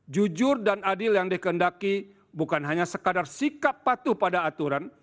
jujur dan adil yang dikendaki bukan hanya sekadar sikap patuh pada aturan